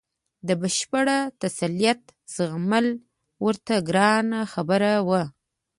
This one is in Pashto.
د بشپړ تسلط زغمل ورته ګرانه خبره وه.